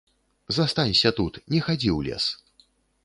Застанься тут, не хадзі ў лес.